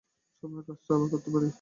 স্বপ্নের কাজটা আবার করতে পারবি?